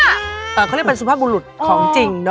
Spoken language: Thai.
เขาเรียกว่าเป็นอันสุภาพมุนหลุดของจริงนะ